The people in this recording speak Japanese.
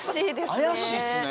怪しいですね。